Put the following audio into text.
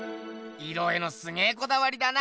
色へのすげこだわりだな。